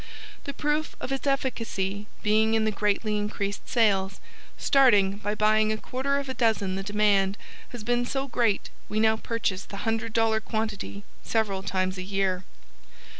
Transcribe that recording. The proof of its efficacy being in the greatly increased sales, starting by buying a quarter of a dozen the demand has been so great we now purchase the hundred dollar quantity several times a year.